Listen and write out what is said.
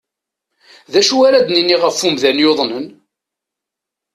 D acu ara d-nini ɣef umdan yuḍnen?